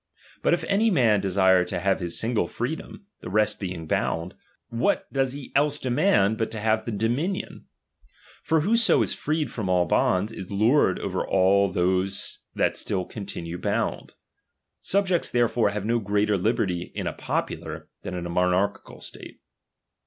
But if any I man desire to have his single freedom, the rest be I ing bound, what does he else demand but to have I the dominion ? For whoso is freed from all bonds, I is lord over all those that still continue bound. I Subjects therefore have no greater liberty in a I popular, than in a monarchical state.